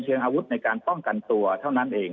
อาวุธในการป้องกันตัวเท่านั้นเอง